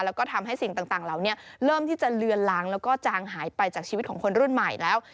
แล้วก็ทำให้สิ่งต่างเหล่านี้เริ่มที่จะเลือนล้างแล้วก็จางหายไปจากชีวิตของคนรุ่นใหม่แล้ว